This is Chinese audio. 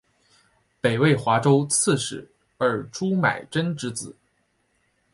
北魏华州刺史尔朱买珍之子。